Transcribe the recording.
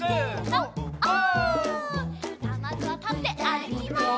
さあまずはたってあるきます！